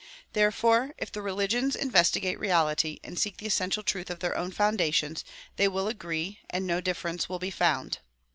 Therefore if the religions investigate reality and seek the essen tial truth of their own foundations they will agree and no differ ence will be found.